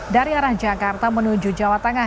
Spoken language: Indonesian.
dari arah jakarta menuju jawa tengah